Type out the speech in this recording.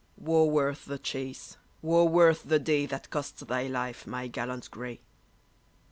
"Wo worth the chase. Wo worth the day, That cost thy life, my gallant grey!"